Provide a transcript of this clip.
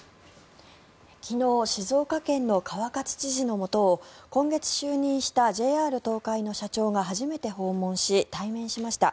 昨日静岡県の川勝知事のもとを今月就任したＪＲ東海の社長が初めて訪問し、対面しました。